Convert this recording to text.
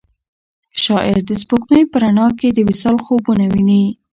شاعر د سپوږمۍ په رڼا کې د وصال خوبونه ویني.